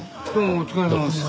お疲れさまでした。